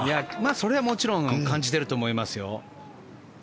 それはもちろん感じていると思いますよ。